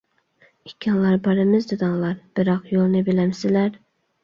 ئىككىڭلار بارىمىز دېدىڭلار، بىراق يولنى بىلەمسىلەر؟!